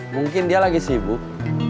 mungkin dia lagi sibuk